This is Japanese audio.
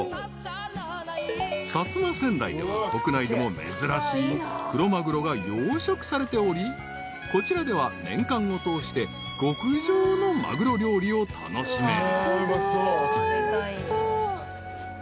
［薩摩川内では国内でも珍しいクロマグロが養殖されておりこちらでは年間を通して極上のマグロ料理を楽しめる］